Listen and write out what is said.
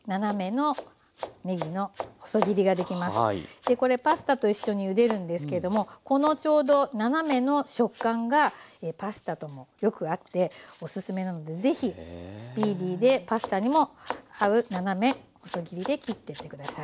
でこれパスタと一緒にゆでるんですけれどもこのちょうど斜めの食感がパスタともよく合っておすすめなので是非スピーディーでパスタにも合う斜め細切りで切ってって下さい。